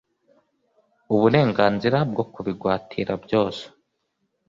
uburenganzira bwo kubigwatira byose